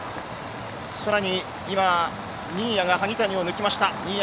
さらに新谷が萩谷を抜きました。